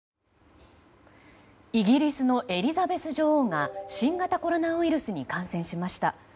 イギリスのエリザベス女王が新型コロナウイルスに感染しました。